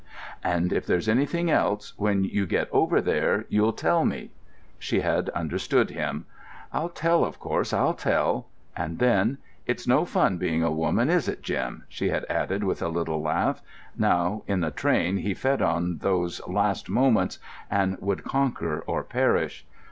"And if there's anything else, when you get over there, you'll tell me?" She had understood him.... "I'll tell, of course I'll tell;" and then: "It's no fun being a woman, is it, Jim?" she had added, with a little laugh.... Now in the train he fed on those last moments, and he would conquer or perish.